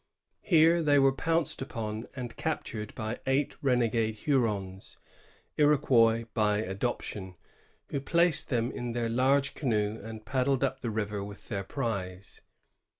Here they were pounced upon and captured by eight renegade Hurons, Iroquois by adoption, who placed them in their large canoe, and paddled up the river with their prize.